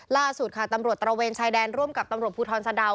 ล่าสุดค่ะตำรวจตระเวนชายแดนร่วมกับตำรวจภูทรสะดาว